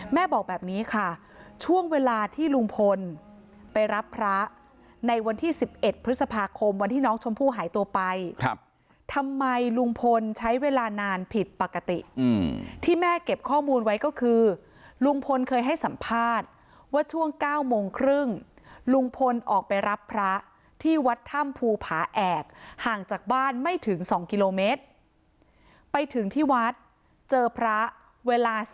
แม่บอกแบบนี้ค่ะช่วงเวลาที่ลุงพลไปรับพระในวันที่๑๑พฤษภาคมวันที่น้องชมพู่หายตัวไปทำไมลุงพลใช้เวลานานผิดปกติที่แม่เก็บข้อมูลไว้ก็คือลุงพลเคยให้สัมภาษณ์ว่าช่วง๙โมงครึ่งลุงพลออกไปรับพระที่วัดถ้ำภูผาแอกห่างจากบ้านไม่ถึง๒กิโลเมตรไปถึงที่วัดเจอพระเวลา